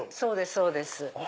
そうです。